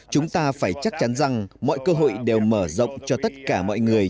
chúng ta phải chắc chắn rằng mọi cơ hội đều mở rộng cho tất cả mọi người